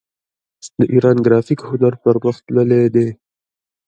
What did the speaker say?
د ایران ګرافیک هنر پرمختللی دی.